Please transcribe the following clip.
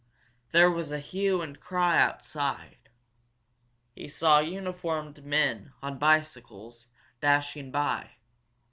There was a hue and cry outside. He saw uniformed men, on bicycles, dashing by.